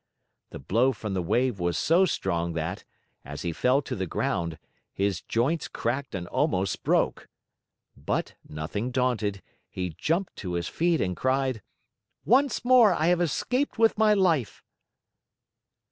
The blow from the wave was so strong that, as he fell to the ground, his joints cracked and almost broke. But, nothing daunted, he jumped to his feet and cried: "Once more I have escaped with my life!"